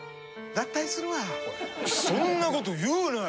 そんなこと言うなよ！